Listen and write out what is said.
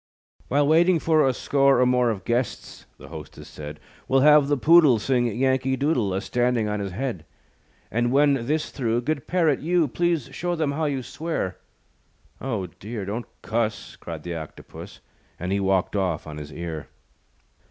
"While waiting for A score or more Of guests," the hostess said, "We'll have the Poodle Sing Yankee Doodle, A standing on his head. And when this through, Good Parrot, you, Please show them how you swear." "Oh, dear; don't cuss," Cried the Octopus, And he walked off on his ear.